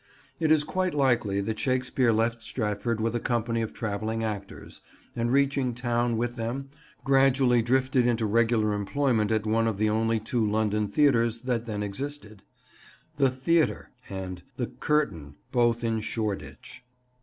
It is quite likely that Shakespeare left Stratford with a company of travelling actors, and reaching town with them, gradually drifted into regular employment at one of the only two London theatres that then existed, "The Theatre" and the "Curtain" both in Shoreditch.